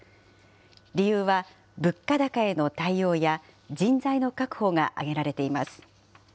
理由は、物価高への対応や、人材の確保が挙げられています。